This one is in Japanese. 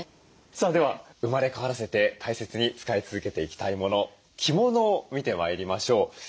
さあでは生まれ変わらせて大切に使い続けていきたいもの着物を見てまいりましょう。